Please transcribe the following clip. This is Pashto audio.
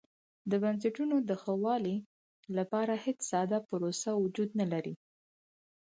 د بنسټونو د ښه والي لپاره هېڅ ساده پروسه وجود نه لري.